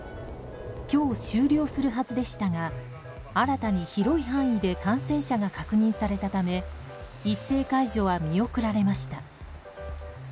今日、終了するはずでしたが新たに広い範囲で感染者が確認されたため一斉解除は見送られました。